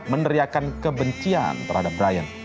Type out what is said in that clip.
meneriakan kebencian terhadap brian